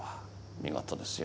見事ですよ。